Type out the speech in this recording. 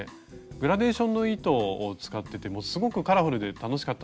グラデーションの糸を使っててもうすごくカラフルで楽しかったんですけど。